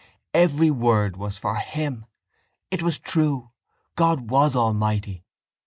Every word for him. It was true. God was almighty.